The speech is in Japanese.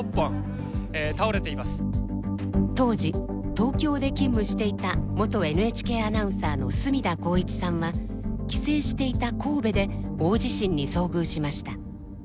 当時東京で勤務していた元ＮＨＫアナウンサーの住田功一さんは帰省していた神戸で大地震に遭遇しました。